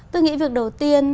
tôi nghĩ việc đầu tiên